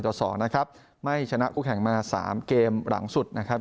ต่อสองนะครับไม่ชนะคู่แข่งมาสามเกมหลังสุดนะครับ